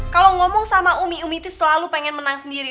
kalau ngomong sama umi umi selalu pengen menang sendiri